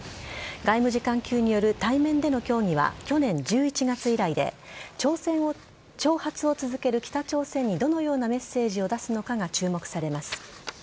外務次官級による対面での協議は去年１１月以来で挑発を続ける北朝鮮にどのようなメッセージを出すのかが注目されます。